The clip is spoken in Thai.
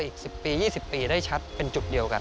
อีก๑๐ปี๒๐ปีได้ชัดเป็นจุดเดียวกัน